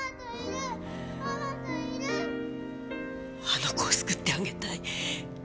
あの子を救ってあげたい。